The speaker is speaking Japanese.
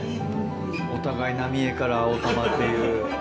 お互い浪江から大玉っていう。